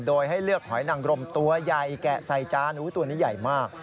โดยให้เลือกหอยนังรมตัวใหญ่แกะใส่จานตัวนี้ใหญ่มาก